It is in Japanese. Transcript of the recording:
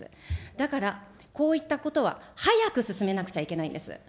だからこういったことは早く進めなくちゃいけないんです。